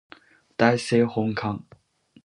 大政奉還